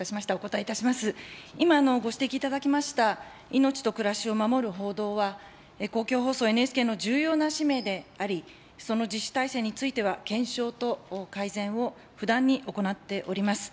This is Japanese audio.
今、ご指摘いただきました、命と暮らしを守る報道は、公共放送、ＮＨＫの重要な使命であり、その実施体制については検証と改善を不断に行っております。